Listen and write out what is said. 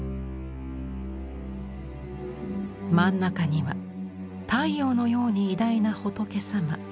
真ん中には太陽のように偉大な仏様鬼門仏。